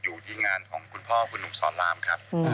อยู่ที่งานของคุณพ่อคุณหนุ่มสอนรามครับ